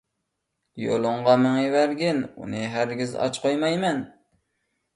يولۇڭغا مېڭىۋەرگىن، ئۇنى ھەرگىز ئاچ قويمايمەن.